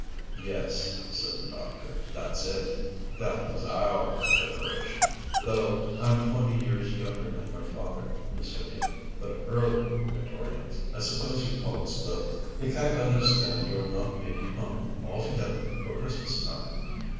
"Yes," said the doctor, "that's it. That was our generation, though I'm twenty years younger than your father, Miss Vivian. But early Victorians I suppose you'd call us both. He can't understand your not being at home, all together, for Christmas time.